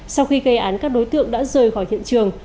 sau khi gây án các đối tượng đã rời khỏi hiện trường